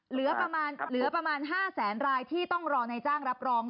เหลือเหลือประมาณห้าแสนรายที่ต้องรอในจ้างรับรอง